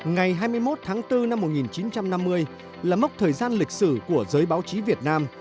ngày hai mươi một tháng bốn năm một nghìn chín trăm năm mươi là mốc thời gian lịch sử của giới báo chí việt nam